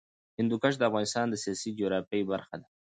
هندوکش د افغانستان د سیاسي جغرافیه برخه ده.